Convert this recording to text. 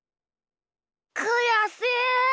くやしい。